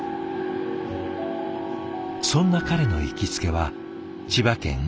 そんな彼の行きつけは千葉県浦安。